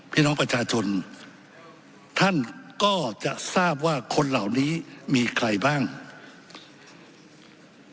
พี่น้องประชาชนท่านก็จะทราบว่าคนเหล่านี้มีใครบ้าง